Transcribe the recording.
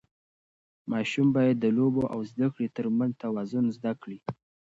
ماشوم باید د لوبو او زده کړې ترمنځ توازن زده کړي.